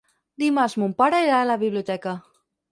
Dimarts mon pare irà a la biblioteca.